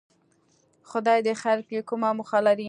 خدای دې خیر کړي، کومه موخه لري؟